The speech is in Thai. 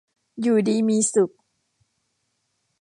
อยู่ดีมีสุข